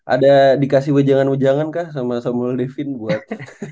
ada dikasih wejangan wejangan kah sama samuel devin buat